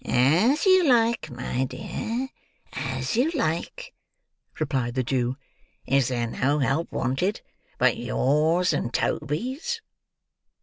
"As you like, my dear, as you like" replied the Jew. "Is there no help wanted, but yours and Toby's?"